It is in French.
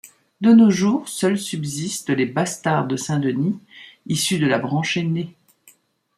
De nos jours seuls subsistent les Bastard de Saint-Denis issus de la branche aînée.